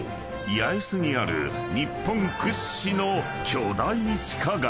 八重洲にある日本屈指の巨大地下街］